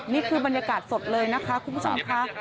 นี่คือบรรยากาศสดเลยนะคะคุณผู้ชมค่ะ